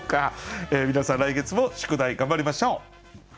皆さん来月も宿題頑張りましょう。